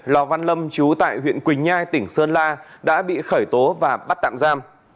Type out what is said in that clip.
lò văn lâm chú tại huyện quỳnh nhai tỉnh sơn la đã bị khởi tố và bắt tạm giam